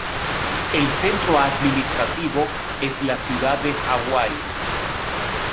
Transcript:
El centro administrativo es la ciudad de Hawai.